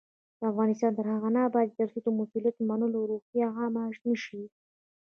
افغانستان تر هغو نه ابادیږي، ترڅو د مسؤلیت منلو روحیه عامه نشي.